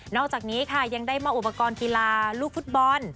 อกจากนี้ค่ะยังได้มอบอุปกรณ์กีฬาลูกฟุตบอล